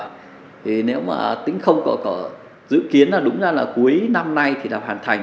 thì nếu mà tính không có dự kiến là đúng ra là cuối năm nay thì đã hoàn thành